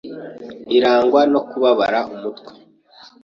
irangwa no kubabara umutwe,